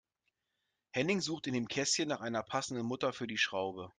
Henning sucht in dem Kästchen nach einer passenden Mutter für die Schraube.